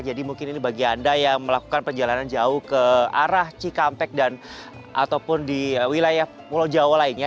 jadi mungkin ini bagi anda yang melakukan perjalanan jauh ke arah cikampek dan ataupun di wilayah pulau jauh lainnya